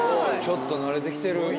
ちょっとなれて来てる。